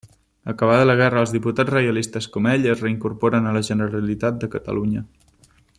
Acabada la guerra, els diputats reialistes com ell es reincorporen a la Generalitat de Catalunya.